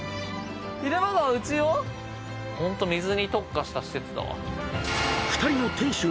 ホント水に特化した施設だわ。